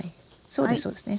そうですそうですね。